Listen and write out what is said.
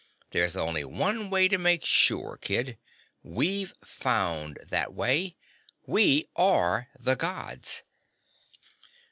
There's only one way to make sure, kid. We've found that way. We are the Gods."